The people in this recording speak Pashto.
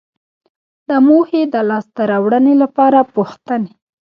د موخې لاسته راوړنې لپاره پوښتنې